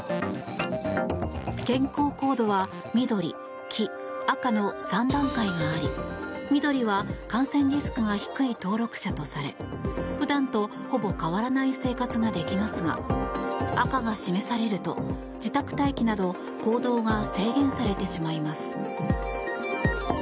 健康コードは緑、黄、赤の３段階があり緑は感染リスクが低い登録者とされ普段とほぼ変わらない生活ができますが赤が示されると、自宅待機など行動が制限されてしまいます。